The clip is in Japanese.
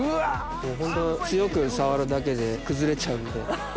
ホント強く触るだけで崩れちゃうんで。